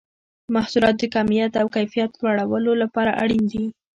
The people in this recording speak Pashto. د محصولاتو د کمیت او کیفیت لوړولو لپاره اړین دي.